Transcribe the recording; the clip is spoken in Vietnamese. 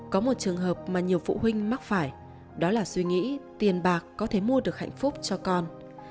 có một trường hợp mà nhiều phụ huynh mắc phải đó là suy nghĩ tiền bạc có thể mua được hạnh phúc cho con